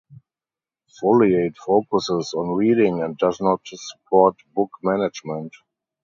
Foliate focuses on reading and does not support book management.